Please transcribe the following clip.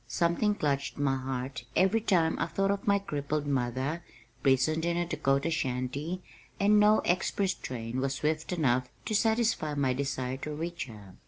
Something clutched my heart every time I thought of my crippled mother prisoned in a Dakota shanty and no express train was swift enough to satisfy my desire to reach her.